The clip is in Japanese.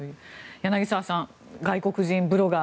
柳澤さん、外国人ブロガー